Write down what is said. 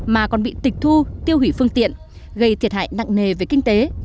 mà còn bị tịch thu tiêu hủy phương tiện gây thiệt hại nặng nề về kinh tế